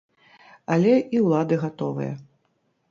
Але і ўлады гатовыя.